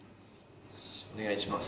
お願いします。